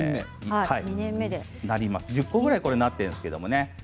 １０個ぐらいなっているんですけどね。